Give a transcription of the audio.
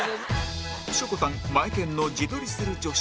しょこたんマエケンの「自撮りする女子」